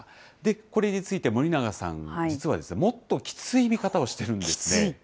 これについて森永さん、実はもっときつい見方をきつい？